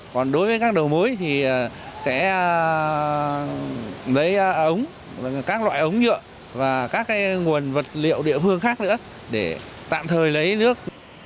còn đối với các đầu mối thì sẽ lấy ống các loại ống nhựa và các nguồn vật liệu địa phương khác nữa để tạm thời lấy nước